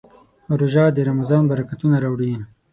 روژه د رمضان برکتونه راوړي.